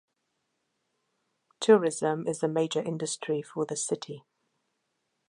Tourism is a major industry for the city.